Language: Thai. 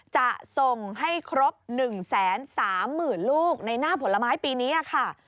จะส่งให้ครบ๑๓๐๐๐ลูกในหน้าผลไม้ปีนี้ค่ะ